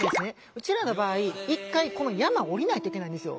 うちらの場合一回この山を下りないといけないんですよ。